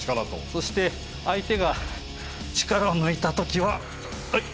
そして相手が力を抜いた時は。